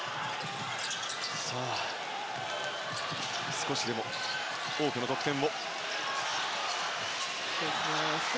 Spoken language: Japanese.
少しでも、多くの得点を。